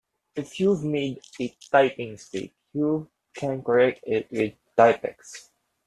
If you've made a typing mistake you can correct it with Tippex